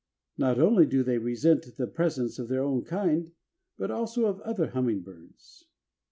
Not only do they resent the presence of their own kind, but also of other hummingbirds.